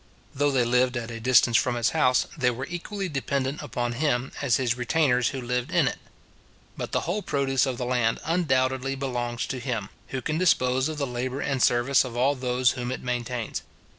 Though they lived at a distance from his house, they were equally dependent upon him as his retainers who lived in it. But the whole produce of the land undoubtedly belongs to him, who can dispose of the labour and service of all those whom it maintains.